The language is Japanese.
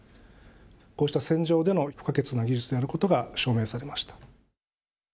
こうした戦場での不可欠な技術であることが証明されました。